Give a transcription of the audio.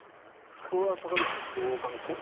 これは榊原さんどうお考えですか？